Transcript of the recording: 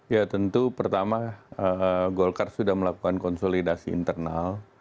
ya tentu pertama golkar sudah melakukan konsolidasi internal